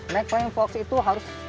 naik flying fox itu harus